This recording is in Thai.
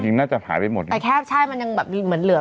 จริงน่าจะหายไปหมดนี่แต่แค่ใช่มันยังเหมือนเหลือ